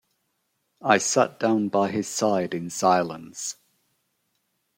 I sat down by his side in silence.